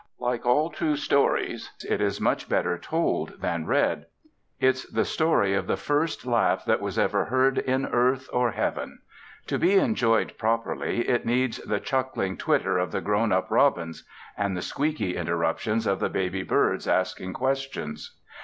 Like all true stories, it is much better told than read. It's the story of the first laugh that was ever heard in earth or heaven. To be enjoyed properly it needs the chuckling twitter of the grown up robins and the squeaky interruptions of the baby birds asking questions.